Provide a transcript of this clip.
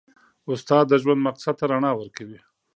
استاد د ژوند مقصد ته رڼا ورکوي.